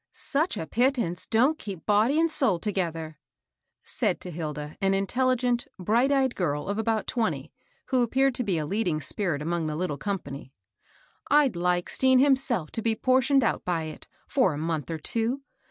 " Such a pittance don't keep body and soul to gether," said to Hilda an intelligent, bright eyed girl of about twenty, who appeared to be a leading spirit among the little company. I'd like Stean himself to be portioned out by it, for a month or two.